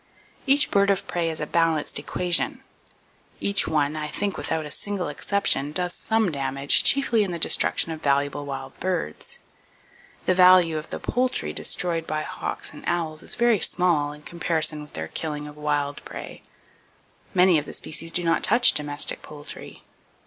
Each bird of prey is a balanced equation. Each one, I think without a single exception, does some damage, chiefly in the destruction of valuable wild birds. The value of the poultry destroyed by hawks and owls is very small in comparison with their killing of wild prey. Many of the species do not touch domestic poultry!